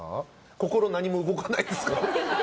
心何も動かないですか？